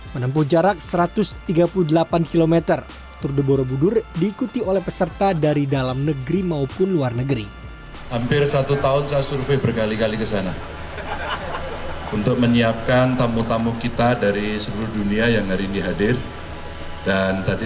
menempuh jarak satu ratus tiga puluh delapan km tour de borobudur diikuti oleh peserta dari dalam negeri maupun luar negeri